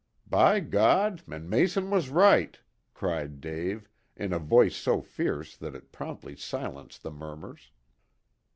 "By God, and Mason was right!" cried Dave, in a voice so fierce that it promptly silenced the murmurs.